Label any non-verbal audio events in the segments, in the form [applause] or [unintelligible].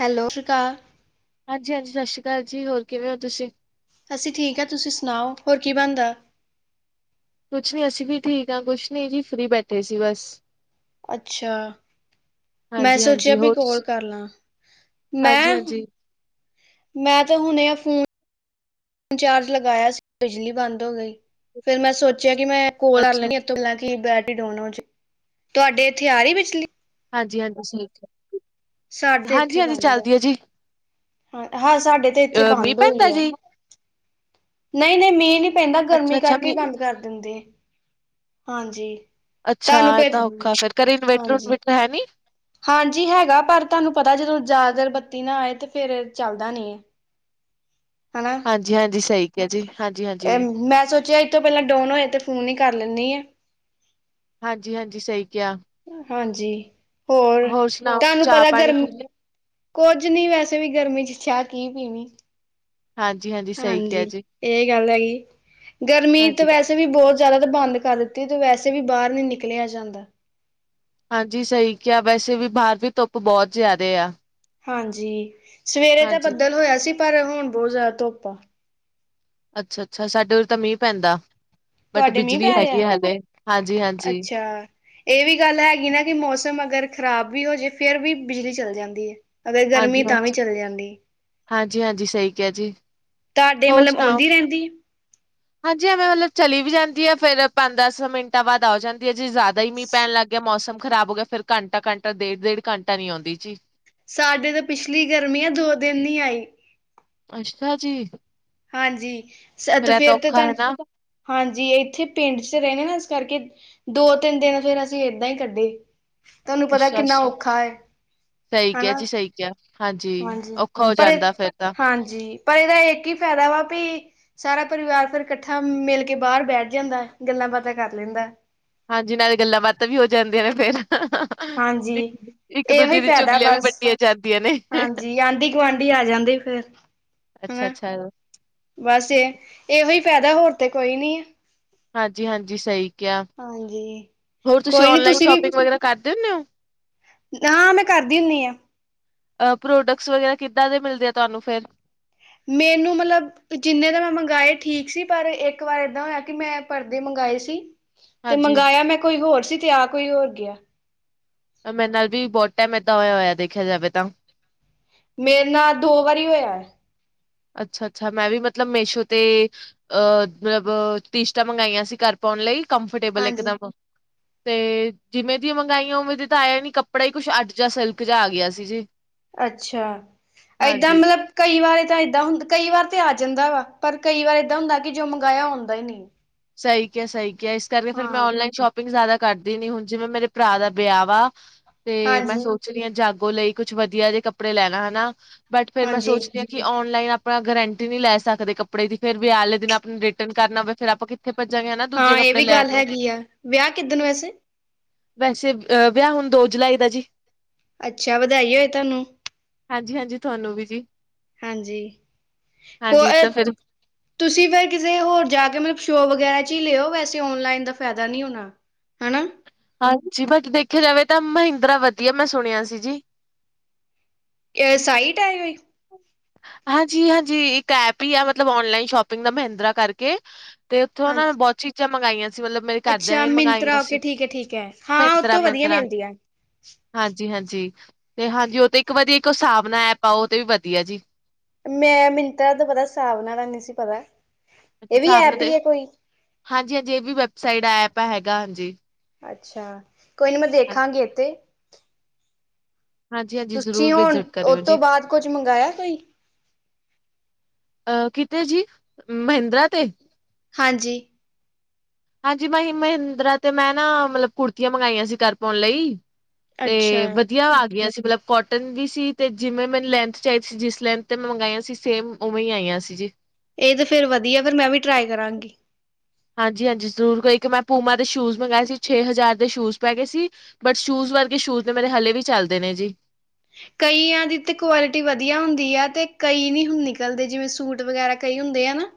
Hello ਸਾਸਰੀ ਕਾਲ ਹਾਂਜੀ-ਹਾਂਜੀ ਸਤਿ ਸ਼੍ਰੀ ਅਕਾਲ ਜੀ, ਹੋਰ ਕਿਵੇਂ ਹੋ ਤੁਸੀਂ? ਅਤ ਠੀਕ ਹੈ, ਤੁਸੀਂ ਸੁਣਾਓ ਹੋਰ ਕੀ ਬਣਦਾ? ਕੁਛ ਨੀ ਅਸੀਂ ਵੀ ਠੀਕ ਹਾਂ ਕੁਛ ਨੀ ਜੀ ਫਰੀ ਬੈਠੇ ਸੀ ਬਸ, ਅੱਛਾ, ਮੈਂ ਸੋਚਿਆ ਹਾਂਜੀ-ਹਾਂਜੀ ਵੀ ਹੋਰ ਕੋਲ ਤੁਸੀਂ ਕਰ ਲਾਂ ਮੈਂ, ਹਾਂਜੀ-ਹਾਂਜੀ ਮੈਂ ਤਾਂ ਹੁਣੇ ਆ ਫੋਨ, ਨ ਚਾਰਜ ਲਗਾਇਆ ਸੀ ਬਿਜਲੀ ਬੰਦ ਹੋ ਗਈ ਫਿਰ ਮੈਂ ਸੋਚਿਆ, ਕਿ ਮੈਂ ਕੋਲ ਕਰ ਲੈਂ ਅੱਛਾ ਗਲਾਂ ਕਿ ਬੈਟਰੀ ਡੋਨ, ਤੁਹਾਡੇ ਇੱਥੇ ਆ ਰਹੀ ਬਿਜਲੀ? ਹਾਂਜੀ ਹਾਂਜੀ ਠੀਕ ਹੈ ਸਾਡੇ ਇੱਥੇ ਹਾਂਜੀ ਹਾਂਜੀ ਬੰਦ ਚੱਲਦੀ ਹੈ ਜੀ ਹਾਂ ਹਾਂ ਸਾਡੇ ਤੇ ਇੱਥੇ ਅ ਮੀਂਹ ਬੰਦ ਪੈਂਦਾ ਹੋਈ ਆ ਜੀ ਨਹੀਂ ਨਹੀਂ ਮੀਂਹ ਨਹੀਂ ਪੈਂਦਾ ਗਰਮੀ ਅੱਛਾ-ਅੱਛਾ ਕਰਕੇ ਮੀਂਹ ਬੰਦ ਕਰ ਦਿੰਦੇ ਹਾਂਜੀ ਅੱਛਾ ਤੁਹਾਨੂੰ ਐ ਫਿਰ ਤਾਂ ਔਖਾ ਫਿਰ ਘਰੇ ਇਨਵੇਟਰ ਹਾਂਜੀ ਉਨਨਵੇਟਰ ਹੈ ਨੀ ਹਾਂਜੀ ਹੈਗਾ ਪਰ ਤੁਹਾਨੂੰ ਪਤਾ ਜਦੋਂ ਜ਼ਿਆਦਾਤਰਰ ਬੱਤੀ ਨਾ ਆਏ ਤੇ ਫੇਰ ਚੱਲਦਾ ਨੀ ਹੈ ਹਨਾ ਹਾਂਜੀ ਹਾਂਜੀ ਸਹੀ ਕਿਹਾ ਜੀ ਹਾਂਜੀ-ਹਾਂਜੀ ਮੈਂ ਸੋਚਿਆ ਇਥੋਂ ਪਹਿਲਾਂ ਡੋਨ ਹੋਏ ਤੇ ਫੋਨ ਹੀ ਕਰ ਲੈਣੀ ਆ ਹਾਂਜੀ ਹਾਂਜੀ ਸਹੀ ਕਿਹਾ ਹਾਂਜੀ ਹੋਰ ਸੁਣਾਓ ਤੁਹਾਨੂੰ ਚਾਹ ਪਤਾ ਪਾਣੀ ਪੀ ਗਰਮੀ ਲਿਆ ਕੁੱਝ ਨਹੀਂ ਵੈਸੇ ਵੀ ਗਰਮੀ ਚਾਹ ਕੀ ਪੀਣੀ ਹਾਂਜੀ-ਹਾਂਜੀ ਸਹੀ ਕਿਹਾ ਹਾਂਜੀ ਜੀ ਇਹ ਗੱਲ ਹੈਗੀ ਗਰਮੀ ਤਾਂ ਹਾਂਜੀ ਵੈਸੇ ਵੀ ਬਹੁਤ ਜ਼ਿਆਦਾ ਤਾਂ ਬੰਦ ਕਰ ਦਿੱਤੀ ਤੇ ਵੈਸੇ ਵੈਸੇ ਵੀ ਬਾਹਰ ਨੀ ਨਿਕਲਿਆ ਜਾਂਦਾ ਹਾਂਜੀ ਸਹੀ ਕਿਹਾ ਵੈਸੇ ਵੀ ਬਾਹਰ ਵੀ ਧੁੱਪ ਬਹੁਤ ਜ਼ਿਆਦਾ ਆ ਹਾਂਜੀ ਸਵੇਰੇ ਤਾਂ ਹਾਂਜੀ ਬੱਦਲ ਹੋਇਆ ਸੀ ਪਰ ਹੁਣ ਬਹੁਤ ਜ਼ਿਆਦਾ ਧੁੱਪ ਆ ਅੱਛਾ ਅੱਛਾ ਸਾਡੇ ਉਰੇ ਤਾਂ ਮੀਂਹ ਪੈਂਦਾ ਬਟ ਤੁਹਾਡੇ ਮੀਂਹ ਬਿਜਲੀ ਪੈ ਰਿਹਾ ਹੈਗੀ ਆ ਹਲੇ ਹਾਂਜੀ-ਹਾਂਜੀ, ਅੱਛਾ ਇਹ ਵੀ ਗੱਲ ਹੈਗੀ ਨਾ ਕਿ ਮੌਸਮ ਅਗਰ ਖ਼ਰਾਬ, ਵੀ ਹੋਜੇ ਫੇਰ ਵੀ ਬਿਜਲੀ ਚੱਲ ਜਾਂਦੀ ਹੈ। ਅਗਰ ਗਰਮੀ ਤਾਂ ਵੀ ਹਾਂਜੀ-ਹਾਂਜੀ। ਚੱਲ ਜਾਂਦੀ। ਹਾਂਜੀ-ਹਾਂਜੀ ਸਹੀ ਕਿਹਾ ਜੀ, ਤੁਹਾਡੇ ਹੋਰ ਮਤਲਬ ਸੁਣਾਓ? ਆਉਂਦੀ ਰਹਿੰਦੀ ਆ। ਹਾਂਜੀ ਐਵੇਂ ਮਤਲਬ ਚਲੀ ਵੀ ਜਾਂਦੀ ਹੈ ਫੇਰ ਪੰਜ ਦਸ ਮਿੰਟਾਂ ਬਾਅਦ ਆ ਜਾਂਦੀ ਹੈ ਜੇ ਜ਼ਿਆਦਾ ਹੀ ਮੀਂਹ ਪੈਣ ਲੱਗ ਗਿਆ ਮੌਸਮ ਖਰਾਬ ਹੋ ਗਿਆ ਫੇਰ ਘੰਟਾ ਘੰਟਾ ਡੇਢ ਡੇਢ ਘੰਟਾ ਨੀ ਆਉਂਦੀ ਜੀ ਸਾਡੇ ਤਾਂ ਪਿਛਲੀ ਗਰਮੀ ਆ ਦੋ ਦਿਨ ਨੀ ਆਈ ਅੱਛਾ ਜੀ ਹਾਂਜੀ ਸ ਤੇ ਐ ਫੇਰ ਤਾਂ ਔਖਾ ਤੁੂੰ ਹੈ ਨਾ ਹਾਂਜੀ ਇੱਥੇ ਪਿੰਡ ਚ ਰਹਿਣੇ ਨਾ ਕਰਕੇ, ਦੋ ਤਿੰਨ ਦਿਨ ਫੇਰ ਅਸੀਂ ਏਦਾਂ ਹੀ ਕੱਢੇ। ਤੁਹਾਨੂੰ ਪਤਾ ਕਿੰਨਾ ਔਖਾ ਹੈ ਸਈ ਕਿਹਾ ਹਨਾ ਜੀ, ਸਈ ਕਿਆ। ਹਾਂਜੀ, ਔਖਾ ਹੋ ਜਾਂਦਾ ਫਿਰ ਤਾਂ। ਹਾਂਜੀ ਪਰ ਇਹਦਾ ਇੱਕ ਹੀ ਫਾਇਦਾ ਵਾ ਪੀ, ਸਾਰਾ ਪਰਿਵਾਰ ਫੇਰ ਕੱਠਾ ਮਿਲ ਕੇ ਬਾਹਰ ਬੈਠ ਜਾਂਦਾ, ਗੱਲਾਂ ਬਾਤਾਂ ਕਰ ਲੈਂਦਾ। ਹਾਂਜੀ ਨਾਲੇ ਗੱਲਾਂ ਬਾਤਾਂ ਵੀ ਹੋ ਜਾਂਦੀਆਂ ਨੇ ਫੇਰ ਹਾਂਜੀ ਇਹ ਵੀ ਇੱਕ-ਦੂਜੇ ਦੀ ਫਾਇਦਾ ਚੁਗਲੀਆਂ ਵੀ ਬਸ ਵੱਟੀਆਂ ਜਾਂਦੀਆਂ ਨੇ ਹਾਂਜੀ, ਆਂਢੀ-ਗੁਆਂਢੀ ਆ ਜਾਂਦੇ, ਫਿਰ ਹੂੰ ਅੱਛਾ-ਅੱਛਾ ਵੈਸੇ, ਇਹ ਵੀ ਫਾਇਦਾ ਹੋਰ ਤੇ ਕੋਈ ਨੀ ਐ। ਹਾਂਜੀ, ਹਾਂਜੀ, ਸਹੀ ਕਿਹਾ। ਹਾਂਜੀ। ਹੋਰ ਤੁਸੀਂ ਕੋਈ ਨੀ ਔਨਲਾਈਨ ਸ਼ੋਪਿੰਗ ਵਗੈਰਾ ਕਰ? ਦੇ ਹੁਣੇ ਓ ਆ ਮੈਂ ਕਰਦੀ ਹੁੰਨੀਂ ਐ ਅ ਪ੍ਰੋਡਕਸ ਵਗੈਰਾ ਕਿੱਦਾਂ ਦੇ ਮਿਲਦੇ ਆ ਤੁਹਾਨੂੰ ਫਿਰ? ਮੈਨੂੰ ਮਤਲਬ, ਜਿੰਨੇ ਤਾਂ ਮੈਂ ਮੰਗਾਏ, ਠੀਕ ਸੀ, ਪਰ ਇੱਕ ਵਾਰ ਏਦਾਂ ਹੋਇਆ ਕਿ ਮੈਂ ਪਰਦੇ ਮੰਗਾਏ ਆਏ ਸੀ ਤੇ ਹਾਂਜੀ, ਮੰਗਾਇਆ ਮੈਂ ਕੋਇ ਹੋਰ ਸੀ ਤੇ ਆ ਕੋਇ ਹੋਰ ਗਿਆ ਐ, ਮੇਰੇ ਨਾਲ ਵੀ ਬਹੁਤ ਟਾਈਮ ਏਦਾਂ ਹੋਇਆ ਹੋਇਆ। ਦੇਖਿਆ ਜਾਵੇ ਤਾਂ ਮੇਰੇ ਨਾਂ ਦੋ ਵਾਰੀ ਹੋਇਆ ਅੱਛਾ ਅੱਛਾ, ਮੈਂ ਵੀ ਮਤਲਬ ਮੇਸ਼ੋ ਤੇ ਅਹ ਮਤਲਬ ਟੀਸ਼ਟਾਂ ਮੰਗਾਈਆਂ ਸੀ, ਘਰ ਪਾਉਣ ਲਈ। ਕੰਮਫ੍ਰਟੇਬਲ ਹਾਂਜੀ। ਇੱਕਦਮ ਤੇ ਜਿਵੇਂ ਦੀ ਮੰਗਾਈਆਂ ਉਵੇਂ ਦੀ ਤਾਂ ਆਇਆ ਨੀ ਕੱਪੜਾ ਹੀ ਕੁਛ ਆੜ ਜਾ ਸਿਲਕ ਜਾ ਆ ਗਿਆ ਸੀ ਜੀ ਅੱਛਾ ਇਦਾ ਹਾਂਜੀ, ਮਤਲਬ ਕਈ ਵਾਰ ਤਾਂ ਏਦਾਂ ਹੁੰ, ਕਈ ਵਾਰ ਤੇ ਆ ਜਾਂਦਾ ਵਾ, ਪਰ ਕਈ ਵਾਰ ਏਦਾਂ ਹੁੰਦਾ ਕਿ ਜੋ ਮੰਗਾਇਆ ਉਹ ਆਉਂਦਾ, ਈ ਨੀ ਸਹੀ ਕਿਹਾ, ਸਹੀ ਕਿਹਾ। ਇਸ ਕਰਕੇ ਫਿਰ ਮੈਂ ਔਨਲਾਈਨ ਸ਼ੋਪ। ਪੀਂਗ ਜ਼ਿਆਦਾ ਕਰਦੀ ਨੀ ਹੁਣ। ਜਿਵੇਂ ਮੇਰੇ ਭਰਾ ਦਾ ਵਿਆਹ ਵਾ, ਤੇ ਮੈਂ ਹਾਂਜੀ ਸੋਚ ਰੀਆ ਜਾਗ। ਕੁ ਲਈ ਕੁੱਛ ਵਧੀਆ ਜੇ ਕੱਪੜੇ ਲੈਣਾ ਹੈ ਨਾ, ਬਟ ਫਿਰ ਮੈਂ ਹਾਂਜੀ। ਸੋਚਦੀ ਹਾਂ ਕਿ ਔਨਲਾਈਨ। ਪਾ ਗਰੰਟੀ ਨੀ ਲੈ ਸਕਦੇ ਕੱਪੜੇ ਦੀ ਫਿਰ ਵੀ ਆਲੇ ਦਿਨ ਆਪਨੇ ਬਿਟਨ ਕਰਨਾ ਪਵੇ ਫਿਰ ਆਪਾਂ ਫਿਰ ਜਗਹਾ, ਹਾਂ ਦੂਜੇ ਇਹ ਕੱਪੜੇ ਵੀ ਲੈਣ ਗੱਲ ਨੂੰ। ਹੈਗੀ ਆ ਵਿਆਹ ਕਿੱਦਣ ਵੈਸੇ ਵੈਸੇ, ਅਹ ਵਿਆਹ ਹੁਣ ਦੋ ਜੁਲਾਈ ਦਾ ਜੀ। ਅੱਛਾ ਵਧਾਈ ਹੋਏ ਤੁਹਾਨੂੰ ਹਾਂਜੀ ਹਾਂਜੀ ਤੁਹਾਨੂੰ ਵੀ ਜੀ ਹਾਂਜੀ ਕੋ ਹਾਂਜੀ ਐ ਤਾਂ ਫਿਰ ਤੁਸੀਂ ਫਿਰ ਕਿਸੇ ਹੋਰ ਜਾ ਕੇ, ਮਲਬ ਸ਼ੋ ਵਗੈ? ਚੀ ਲੇਔ, ਵੈਸੇ ਔਨਲਾਈਨ ਦਾ ਫੈਦਾ ਨੀ ਹੋਣਾ, ਹਣਾ। ਹਾਂਜੀ, ਬਟ ਦੇਖਿਆ ਜਾਵੇ ਤਾਂ ਮਹਿੰਦਰਾ ਵਧੀਆ, ਮੈਂ ਸੁਣਿਆ ਸੀ ਜੀ। ਕੇ ਸਾਈਟ ਆਇ ਹੋਏ [inaudible] ਹਾਂਜੀ ਹਾਂਜੀ, ਇੱਕ ਐਪ ਹੀ ਆ, ਮਤਲਬ ਔਨਲਾਈਨ ਸ਼ੋਪਿੰਗ ਦਾ, ਮਹਿੰਦਰਾ ਕਰਕੇ ਤੇ ਉਥੋਂ ਨਾ ਹਾਂਜੀ ਬਹੁਤ ਚੀਜ਼ਾਂ ਮੰਗਾਈਆਂ ਸੀ ਮਤਲਬ ਮੇਰੇ ਘਰਦਿਆਂ ਅੱਛਾ ਨੇ ਮੰਗਾਈਆਂ ਮਿੰਤਰਾ ਸੀ ਓਕੇ ਠੀਕ ਹੈ ਠੀਕ ਹੈ ਹਾਂ ਉਹ ਮਿੰਤਰਾ ਤੋਂ ਵਧੀਆ ਮਿੰਤਰਾ ਮਿਲਦੀ ਆ ਹਾਂਜੀ ਹਾਂਜੀ ਤੇ ਹਾਂਜੀ ਉਹ ਤੇ ਇੱਕ ਵਰੀ ਇੱਕ ਹ ਹਿਸਾਬ ਨਾ ਐਪ ਪਾਓ ਤੇ ਵੀ ਵਧੀਆ ਜੀ ਮੈਂ ਮੰਤਰਾ ਤੋਂ ਪਤਾ, ਹਿਸਾਬ ਨਾਲ ਨਹੀਂ ਸੀ ਪਤਾ, ਇਹ ਵੀ ਐਪ ਹੀ ਹੈ ਕੋਈ ਹਾਂਜੀ-ਹਾਂਜੀੇ ਇਹ ਵੀ ਵੈਬਸਾਈਟ ਐਪ, ਹੈਗਾ ਹਾਂਜੀ ਅੱਛਾ, ਕੋਈ ਨੀ ਮੈਂ ਦੇਖਾਂਗੀ ਇੱਥੇ ਹਾਂਜੀ-ਹਾਂਜੀ ਜ਼ਰੂਰ, ਤੁਸੀਂ ਹੁਣ ਵਿਜਿਟ ਕਰਿਓ ਉਹ ਤੋਂ ਜੀ ਬਾਅਦ ਕੁਝ ਮੰਗਾਇਆ ਕੋਈ ਅਹ ਕਿਤੇ ਜੀ ਮਹਿੰਦਰਾ ਤੇ [inaudible] ਹਾਂਜੀ [unintelligible] ਹਾਂਜੀ, ਮੈ ਮਹਿੰਦਰਾ ਤੇ ਮੈਂ ਨਾ, ਮਤਲਬ ਕੁੜਤੀਆਂ ਮੰਗਾਈਆਂ ਸੀ ਘਰ ਪਾਉਣ ਲਈ ਤੇ ਅੱਛਾ ਵਧੀਆ, ਆ ਗਿਆ ਸੀ? ਮਤਲਬ, ਕੋਟਨ ਵੀ ਸੀ, ਤੇ ਜਿਵੇਂ ਮੈਨੂੰ ਲੈਂਥ ਚਾਹੀਦੀ ਸੀ। ਜਿਸ ਲੈਂਥ ਤੇ ਮੈਂ ਮੰਗਆਂ ਸੀ ਸੇਮ ਉਵੇਂ ਹੀ ਆਈਆਂ ਸੀ ਜੀ ਇਹ ਤੇ ਫੇਰ ਵਧੀਆ, ਫਿਰ ਮੈਂ ਵੀ ਟਰਾਈ ਕਰਾਂਗੀ ਹਾਂਜੀ, ਹਾਂਜੀ ਜ਼ਰੂਰ ਕੋਈ ਇੱਕ ਮੈਂ ਪੂਮਾ ਦੇ ਸ਼ੂਜ ਮੰਗਵਾਏ ਸੀ, ਛੇ ਹਜ਼ਾਰ ਦੇ ਸ਼ੂਜ ਪੈ ਗਏ ਸੀ ਬੱਟ ਸ਼ੂਜ਼ ਉਸ ਵਰਗੇ ਸ਼ੂਜ ਨੇ ਮੇਰੇ ਹਲੇ ਵੀ ਚੱਲਦੇ ਨੇ ਜੀ [inaudible] ਕਈਆਂ ਦੀ ਤੇ ਕੁਆਲਿਟੀ ਵਧੀਆ ਹੁੰਦੀ ਐ। ਤੇ ਕਈ ਨਹੀਂ ਹੁਣ ਨਿਕਲਦੇ ਜਿਵੇਂ ਸੂਟ ਵਗੈਰਾ ਕਈ ਹੁੰਦੇ ਆ ਨਾ। [inaudible]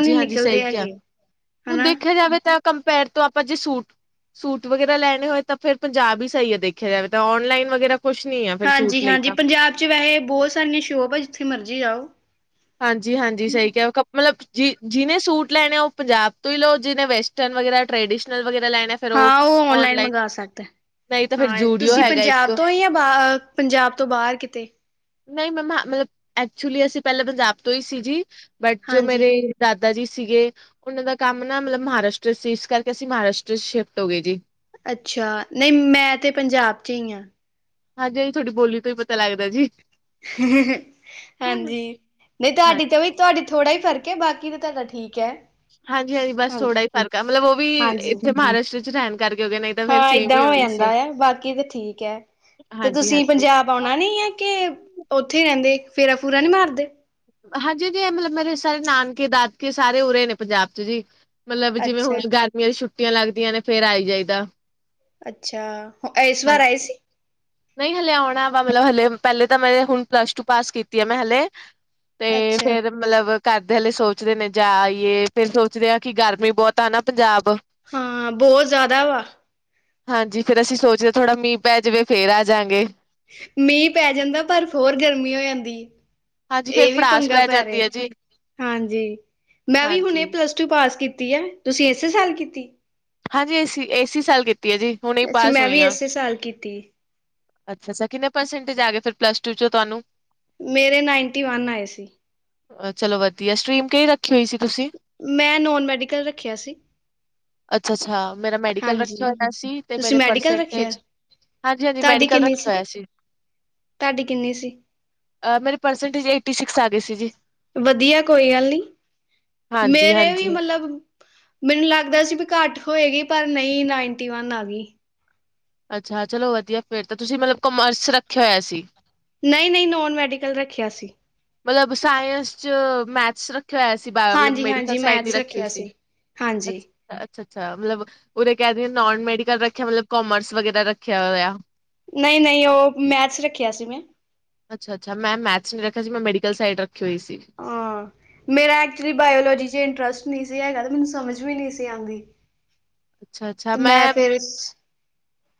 ਨੀ ਹਾਂਜੀ ਨਿਕਲਦੇ ਸਹੀ ਕਿਹਾ, ਹੈਗੇ ਹੁਣ ਹਨਾ। ਦੇਖਿਆ ਜਾਵੇ ਤਾਂ ਕੰਪੈਰ ਤ ਆਪਾਂ ਜੇ ਸੂਟ, ਸੂਟ ਵਗੈਰਾ ਲੈਣੇ ਹੋਏ ਤਾਂ ਫਿਰ ਪੰਜਾਬ ਹੀ ਸਹੀ ਆ। ਦੇਖਿਆ ਜਾਵੇ ਤਾਂ ਔਨਲਈਨ ਵਗੈਰ ਹਾਂਜੀ, ਹਾਂਜੀ ਪੰਜਾਬ ਚ ਵੈਸੇ ਬਹੁਤ ਸਾਰੀਆਂ ਸ਼ੋਪ ਆ। ਜਿੱਥੇ ਮਰਜੀ ਆਓ ਹਾਂਜੀ, ਹਾਂਜੀ ਸਹੀ ਕਿਹਾ ਕ ਮਤਲਬ ਜੀ ਜਿਹਨੇ ਸੂਟ ਲੈਣੇ ਆ ਉਹ ਪੰਜਾਬ ਤੋਂ ਹੀ ਲਓ, ਜਿਹਨੇ ਵੈਸਟਰਨ ਵਗੈਰਾ ਟਰੈਡੀਸ਼ਨਲ ਵਗੈਰਾ ਹਾਂ ਉਹ ਔਨਲਾਈਨ ਮੰਗਾ ਸਕਦਾ। ਨਹੀਂ ਤਾਂ ਫਿਰ ਹਾਂ ਜੂਡੀਓ ਤੁਸੀਂ ਹੈਗਾ ਇੱਕ ਪੰਜਾਬ ਤੋਂ ਹੀ ਆ। ਜਾਂ ਬ ਪੰਜਾਬ ਤੋਂ ਬਾਹਰ ਕਿਤੇ ਨਹੀਂ ਮਮਾ ਮਤਲਬ ਐਕਚੁਲੀ ਅਸੀਂ ਪਹਿਲਾਂ ਪੰਜਾਬ ਤੋਂ ਹੀ ਸੀ ਜੀ। ਬੱਟ ਜੋ ਹਾਂਜੀ ਮੇਰੇ ਦਾਦਾ ਜੀ ਸੀਗੇ, ਉਹਨਾਂ ਦਾ ਕੰਮ ਨਾ ਮਤਲਬ ਮਹਾਰਾਸ਼ਟਰ ਸੀ। ਇਸ ਕਰਕੇ ਅਸੀਂ ਮਹਾਰਾਸ਼ਟਰ ਸ਼ਿਫਟ ਹੋ ਗਏ ਜੀ। ਅੱਛਾ, ਨਹੀਂ ਮੈਂ ਤੇ ਪੰਜਾਬ ਚ ਹੀ ਹਾਂ। ਹਾਂਜੀ, ਹਾਂਜੀ ਤੁਹਾਡੀ ਬੋਲੀ ਤੋਂ ਹੀ ਪਤਾ ਲੱਗਦਾ ਜੀ। ਹ, ਹ, ਹ ਹਾਂਜੀ ਨਹੀਂ ਹਾਂ ਤੁਹਾਡੀ ਤੇ ਉ ਤੁਹਾਡੀ ਥੋੜਾ ਹੀ ਫ਼ਰਕ ਹੈ। ਬਾਕੀ ਤਾਂ ਤੁਹਾਡਾ ਠੀਕ ਹੈ। ਹਾਂਜੀ, ਹਾਂਜੀ ਬਸ ਥੋੜਾ ਹੀ ਫ਼ਰਕ ਹੈ। ਮਤਲਬ ਉਹ ਵੀ ਹਾਂਜੀ-ਹਾਂਜੀ ਇੱਥੇ ਮਹਾਰਾਸ਼ਟਰ ਚ ਰਹਿਣ ਕਰਕੇ ਹੋ ਗਿਆ ਨਹੀਂ ਤਾਂ ਫੇਰ ਹਾਂ ਸੇਮ ਏਦਾਂ ਹੀ ਹੋ ਹੋਣੀ ਜਾਂਦਾ ਸੀ। ਹੈ, ਬਾਕੀ ਤੇ ਠੀਕ ਹੈ। ਤੇ ਹਾਂਜੀ, ਤੁਸੀਂ ਹਾਂਜੀ, ਪੰਜਾਬ ਆਉਣਾ ਨੀ ਹੈ। ਕੇ ਉੱਥੇ ਰਹਿੰਦੇ ਫੇਰਾ ਫੂਰਾ ਨਹੀਂ ਮਾਰਦੇ ਹਾਂਜੀ ਜੀ, ਇਹ ਮਤਲਬ ਮੇਰੇ ਸਾਰੇ ਨਾਨਕੇ ਦਾਦਕੇ ਸਾਰੇ ਉਰੇ ਨੇ ਪੰਜਾਬ ਚ ਜੀ। ਮਤਲਬ ਜਿਵੇਂ ਹੁਣ ਅੱਛਾ ਗਰਮੀਆਂ ਦੀ ਛੁੱਟੀਆਂ ਲੱਗਦੀਆਂ ਨੇ ਫਿਰ ਆਈ ਜਾਈਦਾ। ਅੱਛਾ, ਇਸ ਵਾਰ ਆਏ ਸੀ। ਨਹੀਂ ਹਲੇ ਆਉਣਾ ਵਾ ਮਤਲਬ ਹਲੇ, ਪਹਿਲੇ ਤਾਂ ਮੈਂ ਹੁਣ ਪਲਸ ਟੂ ਪਾਸ ਕੀਤੀ ਆ ਮੈਂ ਹਲੇ ਤੇ ਅੱਛਾ। ਫਿਰ ਮਤਲਬ ਘਰਦੇ ਹਲੇ ਸੋਚਦੇ ਨੇ ਜਾ ਆਈਏ ਫਿਰ ਸੋਚਦੇ ਹਾਂ ਕਿ ਗਰਮੀ ਬਹੁਤ ਆ ਨਾ ਪੰਜਾਬ ਹਾਂ ਬਹੁਤ ਜ਼ਿਆਦਾ ਵਾ ਹਾਂਜੀ ਫਿਰ ਅਸੀਂ ਸੋਚਦੇ ਥੋੜਾ ਮੀਂਹ ਪੈ ਜਾਵੇ ਫੇਰ ਆ ਜਾਂਗੇ। ਮੀਂਹ ਪੈ ਜਾਂਦਾ, ਪਰ ਹੋਰ ਗਰਮੀ ਹੋ ਜਾਂਦੀ। ਹਾਂਜੀ ਫੇਰ ਇਹ ਵੀ ਪੜਾਸ ਪੰਗਾ ਪੈ ਰਹੇ, ਜਾਂਦੀ ਹੈ ਜੀ ਹਾਂਜੀ-ਮੈਂ ਵੀ ਹੁਣੇ ਹਾਂਜੀ। ਪਲਸ ਟੂ ਪਾਸ ਕੀਤੀ ਕੀਤੀ ਹੈ, ਤੁਸੀਂ ਇਸੇ ਸਾਲ ਕੀਤੀ। ਹਾਂਜੀ ਏਸੀ, ਏਸੀ ਸਾਲ ਕੀ ਅੱਛਾ ਮੈਂ ਵੀ ਇਸੇ ਸਾਲ ਕੀਤੀ। ਅੱਛਾ ਕਿੰਨੇ ਪਰਸੈਂਟੇਜ ਆ ਗਏ ਪਲੱਸ ਟੂ ਚੋਂ ਤੁਹਾਨੂੰ। ਮੇਰੇ ਨਾਈਨਟੀ ਵਨ ਆਏ ਸੀ। ਚਲੋ ਵਧੀਆ ਸਟਰੀਮ ਕਈ ਰੱਖ ਮੈਂ ਨੋਨ ਮੈਡੀਕਲ ਰੱਖਿਆ ਸੀ। ਅੱਛਾ, ਅੱਛਾ ਮੇਰਾ ਮੈਡੀਕਲ ਹਾਂਜੀ ਰੱਖਿਆ ਹੋਇਆ ਸੀ। ਤੇ ਤੁਸੀਂ ਮੇਰੀ ਮੈਡੀਕਲ ਰੱਖਿਆ। ਪਰਸੈਂਟੇਜ ਹਾਂਜੀ, ਹਾਂਜੀ ਮੈਡਿ ਤੁਹਾਡੀ ਕਲ ਕਿੰਨੀ ਰੱਖਿਆ ਹੋਇਆ ਸੀ। ਤੁਹਾਡੀ ਕਿੰਨੀ ਸੀ ਅ ਮੇਰੀ ਪਰਸੈਂਟਜ ਏਟੀ ਸਿਕਸ ਆ ਗਏ ਸੀ ਜੀ। ਵਧੀਆ ਕੋਈ ਗੱਲ ਨੀ। ਹਾਂਜੀ ਮੇਰੇ ਵੀ ਹਾਂਜੀ ਮਤਲਬ ਮੈਨੂੰ ਲੱਗਦਾ ਸੀ ਵੀ ਘੱਟ ਹੋਏਗੀ ਪਰ ਨਹੀਂ, ਨਾਈਨਟੀ ਵਨ ਆ ਗਈ। ਅੱਛਾ ਚਲੋ ਵਧੀਆ, ਫਿਰ ਤਾਂ ਤੁਸੀਂ ਮਤਲਬ ਕਾਮਰਸ ਰੱਖਿਆ ਹੋਇਆ ਸੀ। ਨਹੀਂ, ਨਹੀਂ ਨੋਨ ਮੈਡੀਕਲ ਰੱਖਿਆ ਸੀ। ਮਤਲਬ ਸਾਇੰਸ ਚ ਮੈਥਸ ਰੱਖ [unintelligible] ਹੋਇਆ ਸੀ। ਮਤਲਬ ਹਾਂਜੀ ਮੇਡੀਕਲ ਹਾਂਜੀ ਸਾਈਡ ਹੀ ਮੈਥਸ ਰੱਖੀ ਹੋਈ ਰੱਖਿਆ ਸੀ ਹਾਂਜੀ ਅੱਛਾ ਅੱਛਾ ਅੱਛਾ, ਮਤਲਬ ਉਦੇ ਕਹਿ ਤੇ ਨੋਨ ਮੈਡੀਕਲ ਰੱਖਿਆ, ਮਤਲਬ ਕਾਮਰਸ ਵਗੈਰਾ ਰੱਖਿਆ ਹੋਇਆ ਨਹੀਂ, ਨਹੀਂ ਉਹ ਮੈਥਸ ਰੱਖਿਆ ਸੀ ਮੈਂ। ਅੱਛਾ, ਅੱਛਾ ਮੈਂ ਮੈਥਸ ਵੀ ਰੱਖਿਆ ਸੀ ਮੈਡੀਕਲ ਸਾਇਡ ਰ ਹਾਂ ਮੇਰਾ ਐਕਚੁਲੀ ਬਾਇਲੋਜੀ ਚ ਇੰਟਰਸਟ ਨਹੀਂ ਸੀ ਮੈਨੂੰ ਸਮਝ ਵੀ ਨਹੀਂ ਸੀ ਆਉਂਦੀ ਅੱਛਾ-ਅੱਛਾ ਤੇ ਮੈਂ ਫਿਰ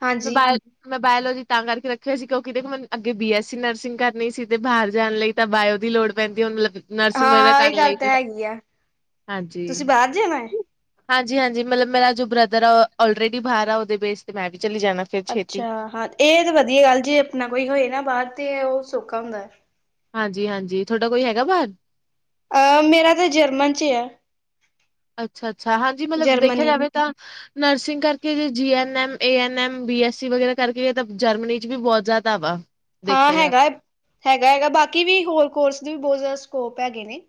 ਹਾਂਜੀ ਮੋਬਾਇਲ [unintelligible] ਮੋਬਾਇਲ ਜੀ ਤਾਂ ਕਰਕੇ ਰੱਖਿਆ ਸੀ ਕਿਉਂਕਿ ਮੈਨੂੰ ਅੱਗੇ ਬੀਐਸ ਸੀ ਨਰਸਿੰਗ ਕਰਨੀ ਸੀ ਤੇ ਬਾਹਰ ਜਾਣ ਲਈ ਤਾਂ ਬਾਇਓ ਪੈਂਦੀ ਉਹਨਾਂ ਨਰਸਿੰਗ ਵਗੈਰਾ ਹਾਂ ਇਹ ਕਰ ਗੱਲ ਲਈ ਤਾਂ ਹੈਗੀ ਆ ਹਾਂਜੀ ਤੁਸੀਂ ਬਾਹਰ ਜਾਣਾ ਹੈ ਹਾਂਜੀ ਹਾਂਜੀ ਮਤਲਬ ਮੇਰਾ ਜੋ ਬ੍ਰਦਰ ਆਲਰੇਡੀ ਬਾਹਰ ਆ ਉਹਦੇ ਬੇਸ ਤੇ ਮੈਂ ਚਲੀ ਜਾਣਾ ਫਿਰ ਛੇਤੀ। ਅੱਛਾ ਇਹ ਤੇ ਵਧੀਆ ਗੱਲ ਜੀ ਆਪਣਾ ਕੋਈ ਹੋਏ ਨਾ ਬਾਹਰ ਤੇ ਉਹ ਸੌਖਾ ਹੁੰਦਾ ਹਾਂਜੀ ਹਾਂਜੀ ਤੁਹਾਡਾ ਕੋਈ ਹੈਗਾ ਬਾਹਰ ਮੇਰਾ ਤਾਂ ਜਰਮਨ ਚ ਐ ਅੱਛਾ ਅੱਛਾ ਹਾਂਜੀ ਮਤਲਬ ਦੇਖਿਆ ਜਾਵੇ ਤਾਂ ਨਰਸਿੰਗ ਕਿ G N M A N M B S C ਵਗੈਰਾ ਕਰਕੇ ਤਾਂ ਜਰਮਨੀ ਚ ਵੀ ਬਹੁਤ ਜਿਆਦਾ ਵਾ ਹਾਂ ਦੇਖਿਆ ਜਾ ਹੈਗਾ ਹੈਗਾ ਬਾਕੀ ਵੀ ਹੋਰ ਕੋਰਸ ਵੀ ਬਹੁਤ ਜਿਆਦਾ ਸਕੋਪ ਹੈਗੇ ਨੇ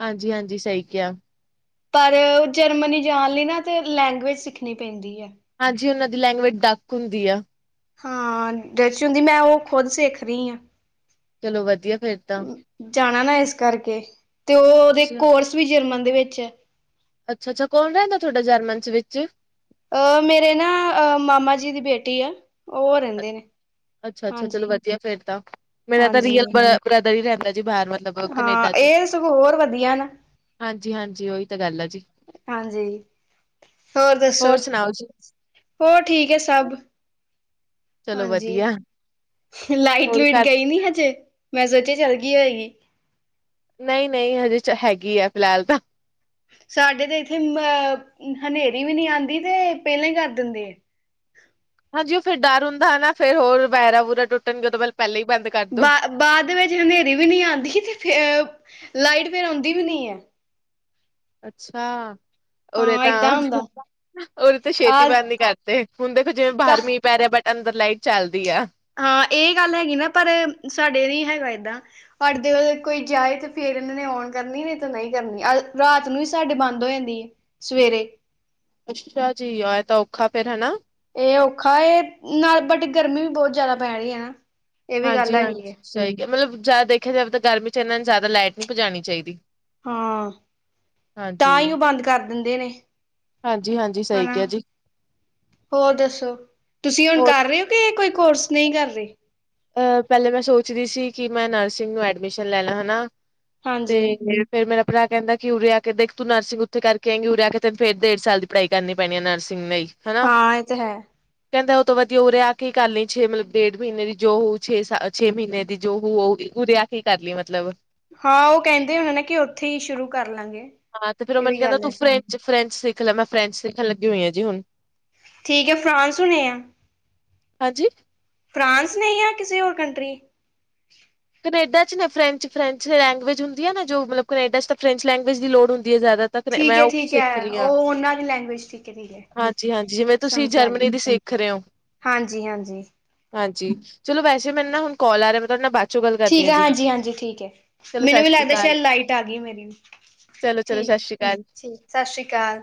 ਹਾਂਜੀ ਹਾਂਜੀ ਸਹੀ ਕਿਹਾ ਪਰ ਜਰਮਨੀ ਜਾਣ ਲਈ ਨਾ ਤੇ ਲੈਂਗੁਏਜ ਸਿੱਖਣੀ ਪੈਂਦੀ ਐ ਹਾਂਜੀ ਉਹਨਾਂ ਦੀ ਲੈਂਗੁਏਜ ਡੱਕ ਹੁੰਦੀ ਆ ਹਾਂ ਡੱਚ ਹੁੰਦੀ ਮੈਂ ਉਹ ਖੁਦ ਸਿੱਖ ਰਹੀ ਆ ਚਲੋ ਵਧੀਆ ਫਿਰ ਜਾਣਾ ਨਾ ਇਸ ਕਰਕੇ ਤੇ ਉਹਦੇ ਕੋਰਸ ਵੀ ਜਰਮਨ ਦੇ ਵਿੱਚ ਆ ਅੱਛਾ ਅੱਛਾ ਕੌਣ ਰਹਿੰਦਾ ਤੁਹਾਡਾ ਜਰਮਨ ਦੇ ਵਿੱਚ ਮੇਰੇ ਨਾ ਮਾਮਾ ਜੀ ਦੀ ਬੇਟੀ ਆ ਉਹ ਰਹਿੰਦੇ ਨੇ ਅੱਛਾ ਅੱਛਾ ਚਲੋ ਹਾਂਜੀ ਵਧੀਆ ਫਿਰ ਤਾਂ ਮੇਰਾ ਤਾਂ ਹਾਂਜੀ। ਰੀਅਲ ਬਰਦਰ ਹੀ ਰਹਿੰਦਾ ਜੀ ਬਾਹਰ ਮਤਲਬ ਹਾਂ ਕਨੇਡਾ ਚ ਇਹ ਸਗੋਂ ਹੋਰ ਵਧੀਆ ਨਾ ਹਾਂਜੀ ਹਾਂਜੀ ਉਹੀ ਤਾਂ ਗੱਲ ਜੀ। ਹਾਂਜੀ ਹੋਰ ਦੱਸੋ ਸੁਣਾਓ ਜੀ ਹੋਰ ਠੀਕ ਐ ਸਭ ਚਲੋ ਹਾਂਜੀ ਵਧੀਆ ਲਾਈਟ ਹੋਰ ਲੁੱਇਟ ਘਰ ਗਈ ਨਹੀਂ ਹਜੇ ਮੈਂ ਸੋਚਿਆ ਚੱਲ ਗਈ ਹੋਏਗੀ ਨਹੀਂ ਨਹੀਂ ਹਜੇ ਹੈਗੀ ਆ ਫਿਲਹਾਲ ਤਾਂ ਸਾਡੇ ਤੇ ਇਥੇ ਹਨੇਰੀ ਵੀ ਨਹੀਂ ਆਉਂਦੀ ਤੇ ਪਹਿਲਾਂ ਹੀ ਕਰ ਦਿੰਦੇ ਆ [unintelligible] ਹਾਂਜੀ ਉਹ ਫਿਰ ਡਰ ਹੁੰਦਾ ਨਾ ਫਿਰ ਹੋਰ ਵਾਇਰ ਆ ਬੂਰਾ ਟੁੱਟਣਗੇ ਪਹਿਲਾਂ ਹੀ ਬੰਦ ਕਰਦੋ। ਬਾ ਬਾਅਦ ਦੇ ਵਿੱਚ ਹਨੇਰੀ ਵੀ ਨਹੀਂ ਆਂਦੀ ਤੇ ਫਿਰ ਲਾਈਟ ਫਿਰ ਆਉਂਦੀ ਵੀ ਨਹੀਂ ਆ ਅੱਛਾ ਉਰੇ ਹਾਂ ਏਦਾਂ ਤਾਂ ਹੁੰਦਾ ਛੇਤੀ ਬੰਦ ਨਹੀਂ ਕਰਤੇ ਹੁਣ ਦੇਖੋ ਜਿਵੇਂ ਬਾਹਰ ਆ ਮੀਂਹ ਪੈ ਰਿਹਾ ਬਟ ਲਾਈਟ ਚੱਲਦੀ ਆ ਇਹ ਗੱਲ ਹੈਗੀ ਨਾ ਪਰ ਸਾਡੇ ਨਹੀਂ ਹੈਗਾ ਇਦਾਂ ਔਰ ਜਦੋਂ ਕੋਈ, ਕਹਿੰਦੇ ਨੇ ਆਨ ਕਰਨੀ ਵੀ ਤਾਂ ਨਹੀਂ ਕਰਨੀ ਰਾਤ ਨੂੰ ਹੀ ਸਾਡੇ ਬੰਦ ਹੋ ਜਾਂਦੀ ਐ ਸਵੇਰੇ, ਸਤਿ ਸ਼੍ਰੀ ਅਕਾਲ ਜੀ ਆਇ ਤਾਂ ਔਖਾ ਫਿਰ ਹਨਾ, ਇਹ ਔਖਾ ਹ ਨਾਲ ਬਟ ਗਰਮੀ ਬਹੁਤ ਜਿਆਦਾ ਪੈ ਰਹੀ ਆ ਹਾਂਜੀ-ਹਾਂਜੀ ਸਹੀ ਕਿਹਾ ਮਤਲਬ ਸ਼ਾਇਦ ਦੇਖਿਆ ਜਾਵੇ ਤਾਂ ਗਰਮੀ ਚ ਇਹਨਾਂ ਨੇ ਜਿਆਦਾ ਲਾਈਟ ਨਹੀਂ ਭਜਾਣੀ ਚਾਹੀਦੀ। ਹਾਂ ਹਾਂਜੀ ਤਾਂ ਹੀ ਉਹ ਬੰਦ ਕਰ ਦਿੰਦੇ ਨੇ, ਹਾਂਜੀ ਹਾਂਜੀ ਸਹੀ ਕਿਹਾ ਜੀ ਹੋਰ ਦੱਸੋ? ਤੁਸੀਂ ਹੁਣ ਹੋਰ ਕਰ ਰਹੇ ਹੋ ਕਿ ਇਹ ਕੋਈ ਕੋਰਸ ਨਹੀਂ ਕਰ ਰਹੇ? ਪਹਿਲੇ ਮੈਂ ਸੋਚ ਰਹੀ ਸੀ ਕਿ ਮੈਂ ਨਰਸਿੰਗ ਨੂੰ ਐਡਮਿਸ਼ਨ ਲੈ ਲਾ ਹਨਾ, ਤੇ ਹਾਂਜੀ ਫਿਰ ਮੇਰਾ, ਲੈ ਕਹਿੰਦਾ ਕਿ ਉਰੇ ਆ ਕੇ ਦੇਖ ਤੂੰ ਨਾ ਸੀ ਉੱਥੇ ਕਰਕੇ ਉਹ ਰਿਹਾ ਕਿਤੇ ਫੇਰ ਡੇਢ ਸਾਲ ਦੀ ਪੜਾਈ ਕਰਨੀ ਪੈਣੀ ਨਰਸ, ਹਾਂ ਇਹ ਤੇ ਹੈ, ਕਹਿੰਦਾ ਉਹਤੋਂ ਵਧੀਆ ਹੋ ਰਿਹਾ ਕੀ ਕਰ ਲਈ ਛੇ ਮਤਲਬ ਡੇਢ ਮਹੀਨੇ, ਮੈਂ ਵੀ ਦੋ ਛੇ ਮਹੀਨੇ ਦੀ ਜੋ ਰਿਹਾ ਕੇ ਕਰ ਲਈ ਮਤਲਬ, ਹਾਂ ਉਹ ਕਹਿੰਦੇ ਹਦੇ ਹੋਣੇ ਐ ਕਿ ਉੱਥੇ ਹੀ ਸ਼ੁਰੂ ਕਰ ਲਾਂਗੇ। ਹਾਂ ਤੇ ਫਿਰ ਉਹ ਇਹ ਮੈਨੂੰ ਵੀ ਕਹਿੰਦਾ ਗੱਲ ਤੂੰ ਹੈ ਫੈਂਚ ਫਰੈਂਚ ਸਿੱਖ ਲੈ ਮੈਂ ਫਰੈਂਚ ਸਿੱਖਣ ਲੱਗੀ ਹੋਈ ਹਾਂ ਜੀ ਹੁਣ ਠੀਕ ਹੈ ਫਰਾਂਸ ਹੋਣੇ ਆ ਹਾਂਜੀ ਫਰਾਂਸ ਨੇ ਆ ਕਿਸੇ ਹੋਰ ਕੰਟਰੀ ਕੈਨੇਡਾ ਚ ਨਾ ਫਰੈਂਚ-ਫਰੈਂਚ ਲੈਂਗੁਏਜ ਹਦੀ ਹੈ ਨਾ ਜੋ ਮਤਲਬ ਕੈਨੇਡਾ ਚ ਤਾਂ ਫਰੈਂਚ ਲੈਂਗੁਏਜ ਦੀ ਲੋੜ ਹੁੰਦੀ ਜ਼ਿਆਦਾ ਤੱਕ ਠੀਕ ਮੈਂ ਹੈ ਉਹ ਠੀਕ ਸਿੱਖ ਹੈ ਰਹੀ ਉਹ ਹਾਂ, ਉਹਨਾਂ ਦੀ ਲੈਂਗੁਏਜ ਠੀਕ ਹੈ ਠੀਕ ਹੈ ਹਾਂਜੀ-ਹਾਂਜੀ ਜਿਵੇਂ ਤੁਸੀਂ ਜਰਮਨੀ ਸਿੱਖ ਰਹੇ ਹੋ ਹਾਂਜੀ-ਹਾਂਜੀ, ਹਾਂਜੀ ਚਲੋ ਵੈਸੇ ਮੈਨੂੰ ਨਾ ਹੁਣ ਕੋਲ ਆ ਰਿਹਾ ਮੈਂ ਤੁਹਾਡੇ ਨਾਲ ਬਾ ਠੀਕ ਹੈ ਹਾਂਜੀ-ਹਾਂਜੀ ਠੀਕ ਹੈ ਚਲੋ ਮੈਨੂੰ ਸਤਿ ਵੀ ਸ਼੍ਰੀ ਲੱਗਦਾ ਅਕਾਲ ਸ਼ਾਇਦ ਲਾਈਟ ਆ ਗਈ ਮੇਰੀ ਚਲੋ ਚਲੋ ਠੀਕ ਸਤਿ ਹੈ ਸ਼੍ਰੀ ਅਕਾਲ ਠੀਕ, ਸਤਿ ਸ੍ਰੀ ਅਕਾਲ